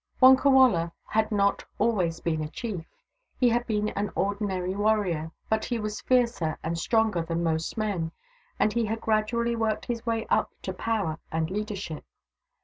Wonkawala had not always been a chief. He had been an ordinary warrior, but he was fiercer and stronger than most men, and he had gradually worked his way up to power and leadership.